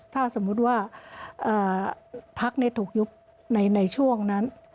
ถ้าสมมุติว่าพักถูกยุบในช่วงนั้น